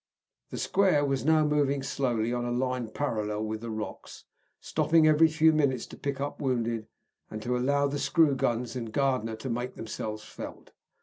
The square was now moving slowly on a line parallel with the rocks, stopping every few minutes to pick up wounded, and to allow the screw guns and Gardner to make themselves felt.